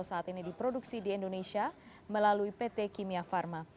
saat ini diproduksi di indonesia melalui pt kimia pharma